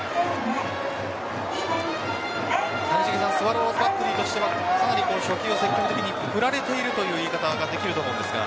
スワローズバッテリーとしてはかなり初球積極的に振られているという言い方ができると思うんですが。